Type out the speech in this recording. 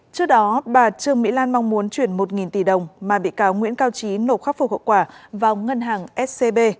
trước đó bà trương mỹ lan mong muốn chuyển một tỷ đồng mà bị cáo nguyễn cao trí nộp khắc phục hậu quả vào ngân hàng scb